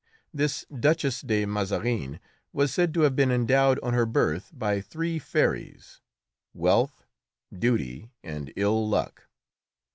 This Duchess de Mazarin was said to have been endowed on her birth by three fairies, Wealth, Duty and Ill luck.